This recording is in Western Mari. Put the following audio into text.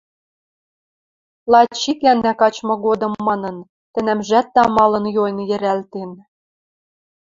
— лач ик гӓнӓ качмы годым манын, тӹнӓмжӓт тамалын йойын йӹрӓлтен.